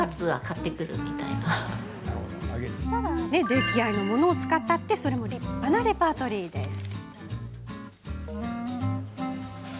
出来合いのものを使ったってそれも立派なレパートリーです。